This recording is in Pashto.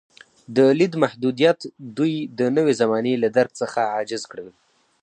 د لید محدودیت دوی د نوې زمانې له درک څخه عاجز کړل.